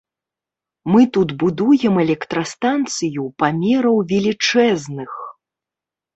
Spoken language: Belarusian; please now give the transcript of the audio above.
Мы тут будуем электрастанцыю памераў велічэзных.